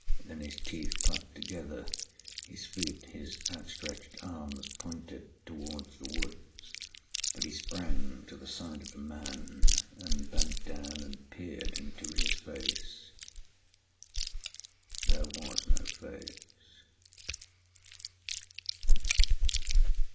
Then his teeth clacked together, his feet, his outstretched arms pointed towards the woods. But he sprang to the side of the man and bent down and peered into his face. There was no face.